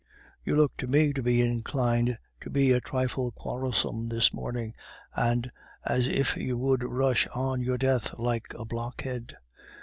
You look to me to be inclined to be a trifle quarrelsome this morning, and as if you would rush on your death like a blockhead."